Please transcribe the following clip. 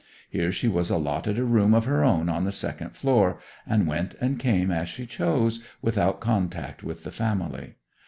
Here she was allotted a room of her own on the second floor, and went and came as she chose, without contact with the family.